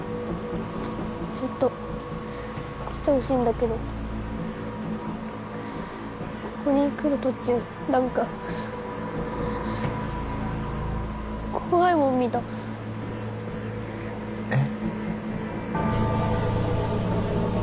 ちょっと来てほしいんだけどここに来る途中何か怖いもん見たえっ？